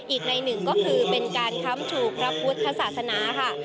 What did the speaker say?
อีกในหนึ่งก็คือเป็นการค้ำชูพระพุทธศาสนาค่ะ